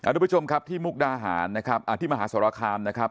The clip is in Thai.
ทุกผู้ชมครับที่มุกดาหารนะครับที่มหาสรคามนะครับ